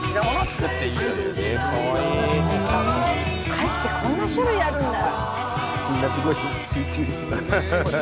貝ってこんな種類あるんだ。